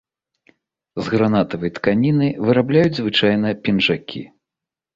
З гранатавай тканіны вырабляюць звычайна пінжакі.